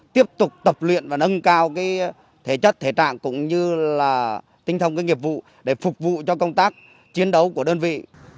tiếp tục tập luyện và nâng cao thể chất thể trạng cũng như là tinh thông nghiệp vụ để phục vụ cho công tác chiến đấu của đơn vị